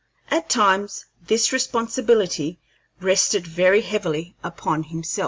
At times this responsibility rested very heavily upon himself.